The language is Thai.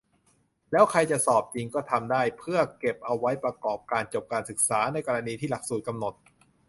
แล้วใครจะสอบจริง ก็ทำได้ เพื่อเก็บเอาไว้ประกอบการจบการศึกษา ในกรณีที่หลักสูตรกำหนด